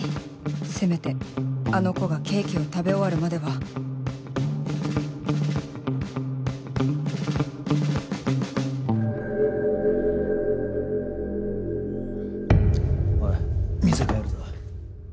せめてあの子がケーキを食べ終わるまではおい店変えるぞ。